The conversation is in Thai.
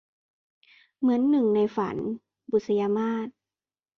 เหมือนหนึ่งในฝัน - บุษยมาส